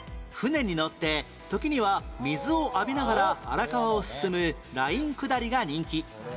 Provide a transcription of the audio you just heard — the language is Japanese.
舟に乗って時には水を浴びながら荒川を進むライン下りが人気